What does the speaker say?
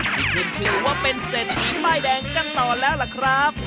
ที่ขึ้นชื่อว่าเป็นเศรษฐีป้ายแดงกันต่อแล้วล่ะครับ